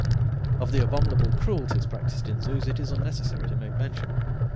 Of the abominable cruelties practised in zoos it is unnecessary to make mention.